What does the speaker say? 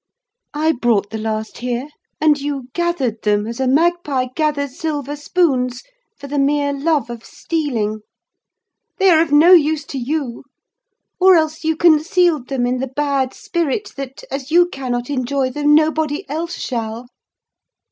I brought the last here—and you gathered them, as a magpie gathers silver spoons, for the mere love of stealing! They are of no use to you; or else you concealed them in the bad spirit that, as you cannot enjoy them, nobody else shall.